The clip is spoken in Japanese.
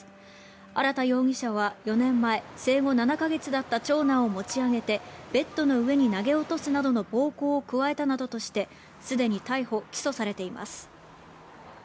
荒田容疑者は４年前生後７か月だった長男を持ち上げてベッドの上に投げ落とすなどの暴行を加えたなどとしてすでに逮捕・起訴されています。